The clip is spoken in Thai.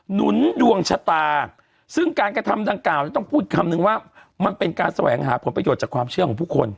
หนุนดวงชะตาซึ่งการกระทำดังกล่าวจะต้องพูดคำนึงว่ามันเป็นการแสวงหาผลประโยชน์จากความเชื่อของผู้คน